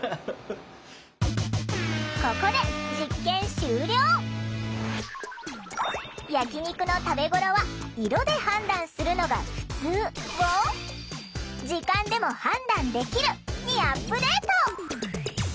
ここで「焼き肉の食べごろは色で判断するのがふつう」を「時間でも判断できる」にアップデート！